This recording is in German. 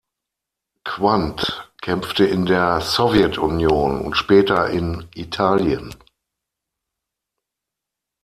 Quandt kämpfte in der Sowjetunion und später in Italien.